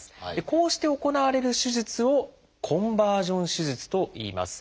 こうして行われる手術を「コンバージョン手術」といいます。